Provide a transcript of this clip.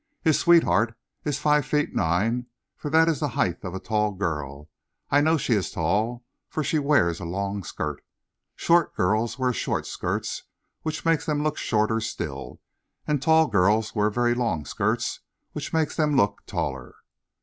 His sweetheart is five feet nine, for that is the height of a tall girl. I know she is tall, for she wears a long skirt. Short girls wear short skirts, which make them look shorter still, and tall girls wear very long skirts, which make them look taller."